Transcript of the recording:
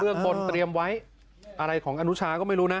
เรื่องบนเตรียมไว้อะไรของอนุชาก็ไม่รู้นะ